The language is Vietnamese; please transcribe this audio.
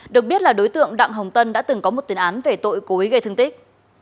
được biết là đối tượng đặng hồng tân đã từng có một tuyến án về tội cối gây thương tích